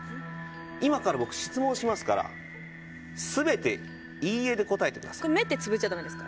今から僕、質問しますからすべて「いいえ」で答えてください。